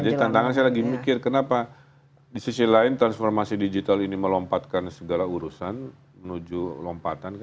ya jadi tantangan saya lagi mikir kenapa disisi lain transformasi digital ini melompatkan segala urusan menuju lompatan